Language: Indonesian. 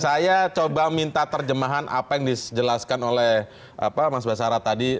saya coba minta terjemahan apa yang dijelaskan oleh mas basara tadi